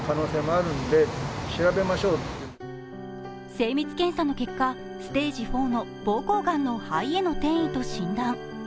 精密検査の結果、ステージ４の膀胱がんの肺への転移と診断。